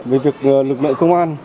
vì việc lực lượng công an